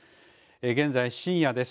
現在深夜です。